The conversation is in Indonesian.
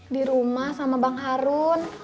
di rumah sama bang harun